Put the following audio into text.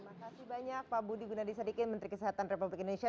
terima kasih banyak pak budi gunadisadikin menteri kesehatan republik indonesia